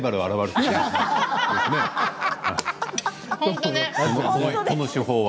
この手法は。